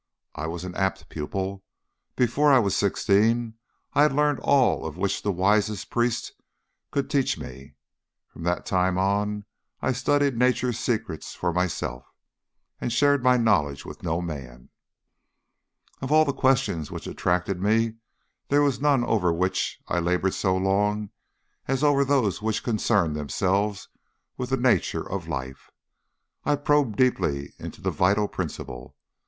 I was an apt pupil. Before I was sixteen I had learned all which the wisest priest could teach me. From that time on I studied Nature's secrets for myself, and shared my knowledge with no man. "Of all the questions which attracted me there were none over which I laboured so long as over those which concern themselves with the nature of life. I probed deeply into the vital principle.